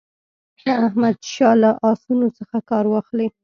که احمدشاه له آسونو څخه کار واخلي.